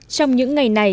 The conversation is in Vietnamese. trong những ngày này